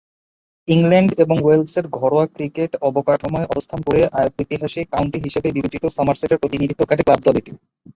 England এবং ওয়েলসের ঘরোয়া ক্রিকেট অবকাঠামোয় অবস্থান করে ঐতিহাসিক কাউন্টি হিসেবে বিবেচিত সমারসেটের প্রতিনিধিত্বকারী ক্লাব দল এটি।